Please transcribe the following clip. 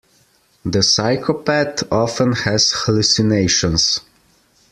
The psychopath often has hallucinations.